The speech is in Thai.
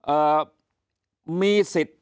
เอ่อมีสิทธิ์